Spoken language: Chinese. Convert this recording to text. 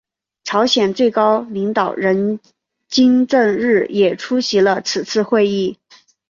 朝鲜最高领导人金正日也出席了此次会议。